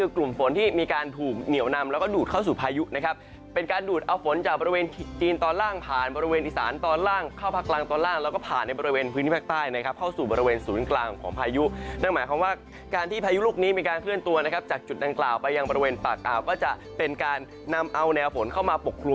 กลุ่มฝนที่มีการถูกเหนียวนำแล้วก็ดูดเข้าสู่พายุนะครับเป็นการดูดเอาฝนจากบริเวณจีนตอนล่างผ่านบริเวณอีสานตอนล่างเข้าภาคกลางตอนล่างแล้วก็ผ่านในบริเวณพื้นที่ภาคใต้นะครับเข้าสู่บริเวณศูนย์กลางของพายุนั่นหมายความว่าการที่พายุลูกนี้มีการเคลื่อนตัวนะครับจากจุดดังกล่าวไปยังบริเวณปากอ่าวก็จะเป็นการนำเอาแนวฝนเข้ามาปกครุ